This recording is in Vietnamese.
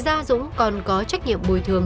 ngoài ra dũng còn có trách nhiệm bồi thường